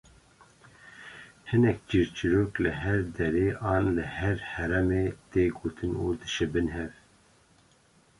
Hinek çîrçîrok li her derê an li her heremê tê gotin û dişibin hev